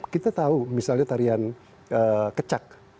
kita tahu misalnya tarian kecak